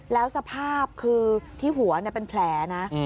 แล้วสภาพคือที่หัวเป็นแผลนะ